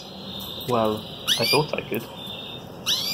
Well, I thought I could.